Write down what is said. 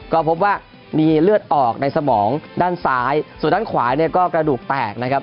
ก็พบว่ามีเลือดออกในสมองด้านซ้ายส่วนด้านขวาเนี่ยก็กระดูกแตกนะครับ